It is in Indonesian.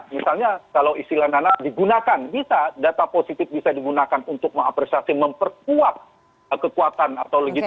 misalnya kalau istilah nana digunakan bisa data positif bisa digunakan untuk mengapresiasi memperkuat kekuatan atau legitima